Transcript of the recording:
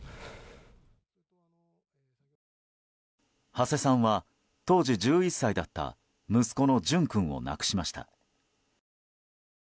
土師さんは、当時１１歳だった息子の淳君を亡くしました。